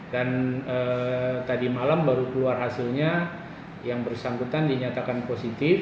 dan tadi malam baru keluar hasilnya yang bersangkutan dinyatakan positif